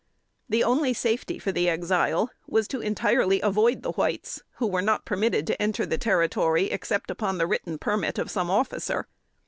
The only safety for the Exile was, to entirely avoid the whites, who were not permitted to enter the territory except upon the written permit of some officer.